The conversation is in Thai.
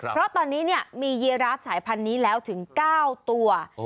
เพราะตอนนี้มียีราฟสายพันธุ์นี้แล้วถึง๙ตัว